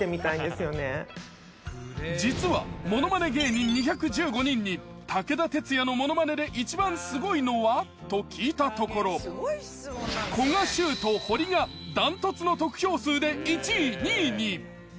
実はものまね芸人２１５人に武田鉄矢のものまねで１番スゴいのは？と聞いたところ古賀シュウとホリがダントツの得票数で１位２位に。